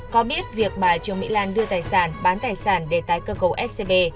có biết việc bà trương mỹ lan đưa tài sản bán tài sản để tái cơ cấu scb